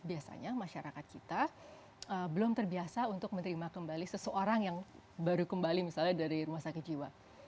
biasanya masyarakat kita belum terbiasa untuk menerima kembali seseorang yang baru kembali misalnya dari rumah sakit jiwa